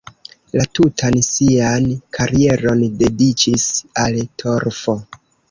La tutan sian karieron dediĉis al torfo.